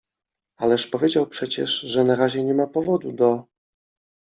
— Ależ powiedział przecież, że na razie nie ma powodu do…